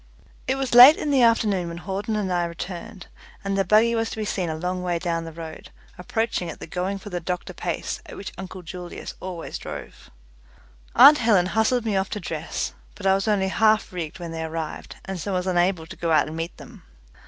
It was late in the afternoon when Hawden and I returned, and the buggy was to be seen a long way down the road, approaching at the going for the doctor pace at which uncle Julius always drove. Aunt Helen hustled me off to dress, but I was only half rigged when they arrived, and so was unable to go out and meet them.